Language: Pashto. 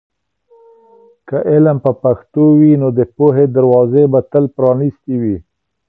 که علم په پښتو وي، نو د پوهې دروازې به تل پرانیستې وي.